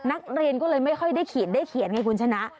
นักเรียนก็เลยไม่ค่อยได้เขียนได้เขียนไงคุณชนะ